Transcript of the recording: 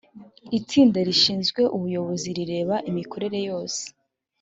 itsinda rishinzwe ubuyobozi rireba imikorere yose.